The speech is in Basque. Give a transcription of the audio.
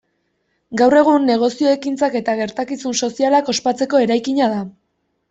Gaur egun negozio ekintzak eta gertakizun sozialak ospatzeko eraikina da.